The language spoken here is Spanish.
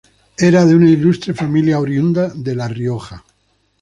Era de una ilustre familia oriunda de la Rioja.